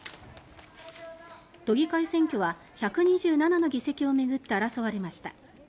都議会選挙は１２７の議席を巡って争われました。